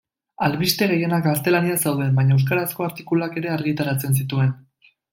Albiste gehienak gaztelaniaz zeuden, baina euskarazko artikuluak ere argitaratzen zituen.